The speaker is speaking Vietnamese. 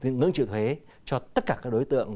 ngưỡng trữ thuế cho tất cả các đối tượng